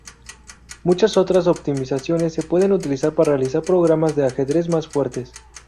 Muchas otras optimizaciones se pueden utilizar para realizar programas de ajedrez más fuertes.